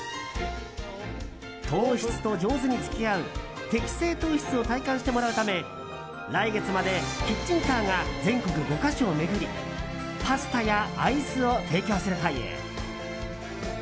糖質と上手に付き合う適正糖質を体感してもらうため来月までキッチンカーが全国５か所を巡りパスタやアイスを提供するという。